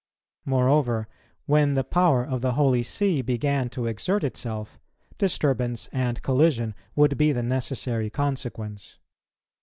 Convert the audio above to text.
Moreover, when the power of the Holy See began to exert itself, disturbance and collision would be the necessary consequence.